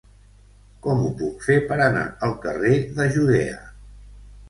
Com ho puc fer per anar al carrer de Judea?